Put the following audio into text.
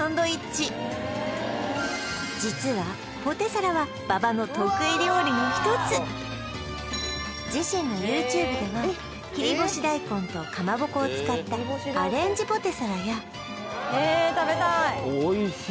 実はポテサラは馬場の得意料理の１つ自身のＹｏｕＴｕｂｅでは切り干し大根と蒲鉾を使ったアレンジポテサラやえっ！